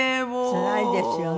つらいですよね